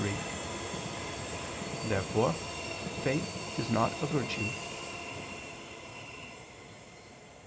Therefore faith is not a virtue.